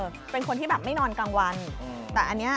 คือเป็นคนที่ไม่นอนกลางวันนะเนี่ย